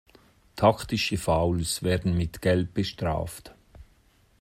Taktische Fouls werden mit Gelb bestraft.